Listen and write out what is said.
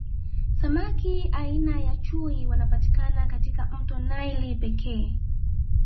samaki aina ya chui wanapatikana katika mto naili pekee